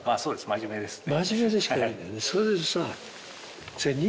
真面目ですね